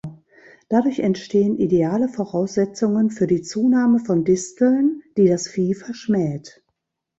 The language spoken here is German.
Dadurch entstehen ideale Voraussetzungen für die Zunahme von Disteln, die das Vieh verschmäht.